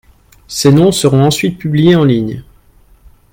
Ces noms seront ensuite publiés en ligne.